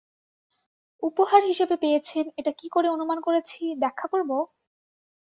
উপহার হিসেবে পেয়েছেন এটা কী করে অনুমান করেছি, ব্যাখ্যা করব?